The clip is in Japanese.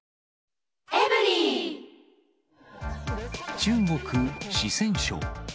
中国・四川省。